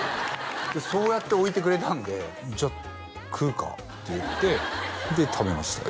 そうやって置いてくれたんで「じゃあ食うか」って言ってで食べましたね